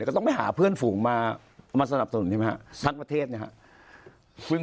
ก็ต้องไปหาเพื่อนฝูงมาสนับสนุนใช่ไหมฮะทั้งประเทศนะครับ